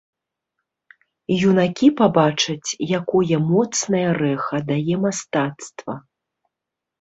Юнакі пабачаць, якое моцнае рэха дае мастацтва.